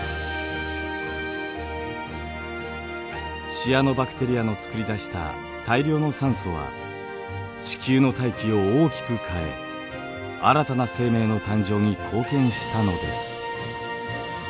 シアノバクテリアのつくり出した大量の酸素は地球の大気を大きく変え新たな生命の誕生に貢献したのです。